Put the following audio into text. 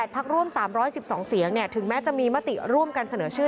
พักร่วม๓๑๒เสียงถึงแม้จะมีมติร่วมกันเสนอชื่อ